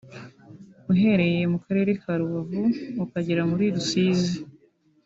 uhereye mu karere ka Rubavu ukagera muri Rusizi